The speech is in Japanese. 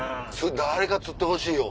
誰か釣ってほしいよ。